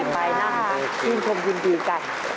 ไปนั่งชื่นผมยืนดีกัน